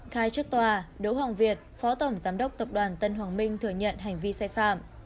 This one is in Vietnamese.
khai trước tòa đỗ hồng việt phó tổng giám đốc tập đoàn tân hoàng minh thừa nhận hành vi sai phạm